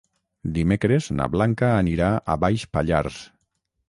Dimecres na Blanca anirà a Baix Pallars.